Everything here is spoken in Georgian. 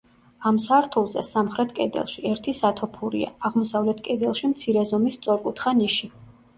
ამ სართულზე, სამხრეთ კედელში, ერთი სათოფურია, აღმოსავლეთ კედელში მცირე ზომის სწორკუთხა ნიში.